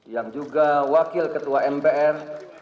yang juga wakil ketua mpr